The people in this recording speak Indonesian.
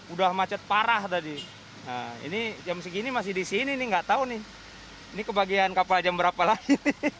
udah macet parah tadi ini jam segini masih di sini nih nggak tahu nih ini kebagian kapal jam berapa lagi